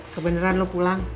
kebeneran lo pulang